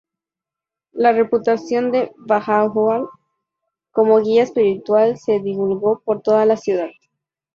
La reputación de Bahá'u'lláh como guía espiritual se divulgó por toda la ciudad.